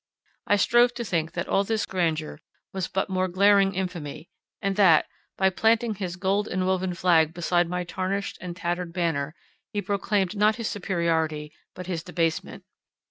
I strove to think that all this grandeur was but more glaring infamy, and that, by planting his gold enwoven flag beside my tarnished and tattered banner, he proclaimed not his superiority, but his debasement.